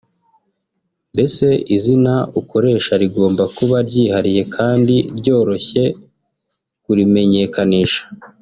mbese izina ukoresha rigomba kuba ryihariye kandi ryoroshye kurimenyekanisha